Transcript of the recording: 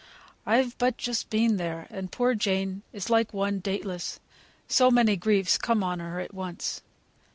"I've but just been there, and poor Jane is like one dateless; so many griefs come on her at once.